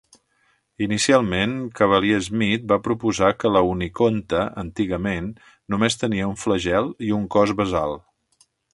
Inicialment, Cavalier-Smith va proposar que la "unikonta", antigament, només tenia un flagel i un cos basal.